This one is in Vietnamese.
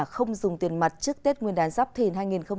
không dùng tiền mặt trước tết nguyên đán giáp thìn hai nghìn hai mươi bốn